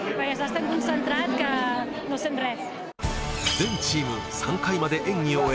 全チーム３回まで演技を終え